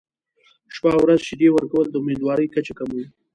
شپه او ورځ شیدې ورکول د امیندوارۍ کچه کموي.